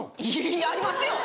いやありますよ！